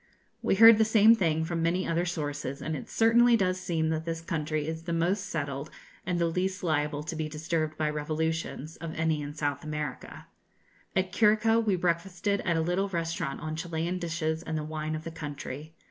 We heard the same thing from many other sources; and it certainly does seem that this country is the most settled, and the least liable to be disturbed by revolutions, of any in South America. At Curico we breakfasted at a little restaurant on Chilian dishes and the wine of the country.